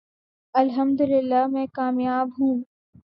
الحمدللہ میں کامیاب ہوں۔